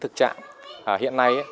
thực trạng hiện nay